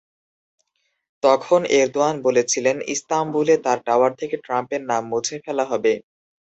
তখন এরদোয়ান বলেছিলেন, ইস্তাম্বুলে তাঁর টাওয়ার থেকে ট্রাম্পের নাম মুছে ফেলা হবে।